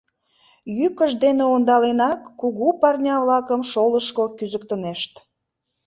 Йӱкышт дене ондаленак, кугу пырня-влакым шолышко кӱзыктынешт.